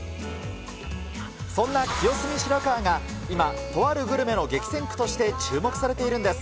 そんな清澄白河が今、とあるグルメの激戦区として注目されているんです。